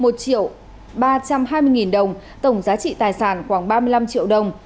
một triệu ba trăm hai mươi nghìn đồng tổng giá trị tài sản khoảng ba mươi năm triệu đồng